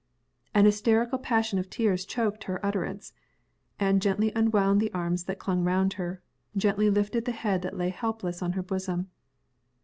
An hysterical passion of tears choked her utterance. Anne gently unwound the arms that clung round her gently lifted the head that lay helpless on her bosom.